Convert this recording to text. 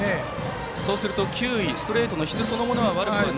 そうすると、球威ストレートの質そのものは悪くないと。